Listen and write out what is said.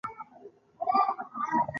د لارښونکو او مربیانو په توګه دنده لري.